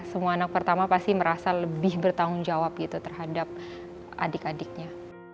semua anak pertama pasti merasa lebih bertanggung jawab gitu terhadap adik adiknya